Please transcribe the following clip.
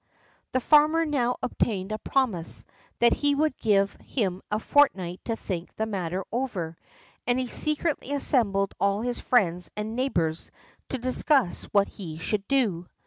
The farmer now obtained a promise that he would give him a fortnight to think the matter over, and he secretly assembled all his friends and neighbors to discuss what he should do.